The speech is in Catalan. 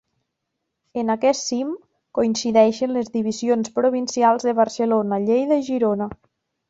En aquest cim coincideixen les divisions provincials de Barcelona, Lleida i Girona.